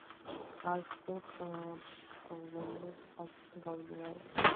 არისტოტელე-პტოლემეს აზრიდან გამომდინარე,